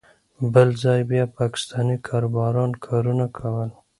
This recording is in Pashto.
بل ځای بیا پاکستانی کاریګرانو کارونه کول.